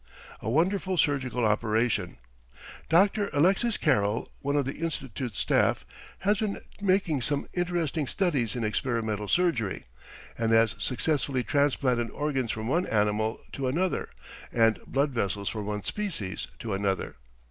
A WONDERFUL SURGICAL OPERATION "Dr. Alexis Carrel, one of the Institute's staff, has been making some interesting studies in experimental surgery, and has successfully transplanted organs from one animal to another, and blood vessels from one species to another.